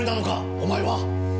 お前は！